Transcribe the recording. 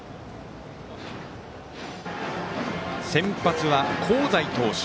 先発は、香西投手。